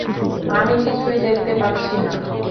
আমি কিছুই দেখতে পাচ্ছি না।